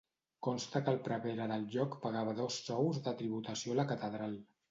Consta que el prevere del lloc pagava dos sous de tributació a la catedral.